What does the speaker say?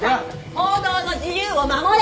報道の自由を守れ！